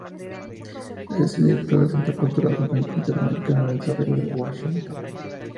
Es el director del Centro Cultural del Banco Interamericano de Desarrollo, en Washington.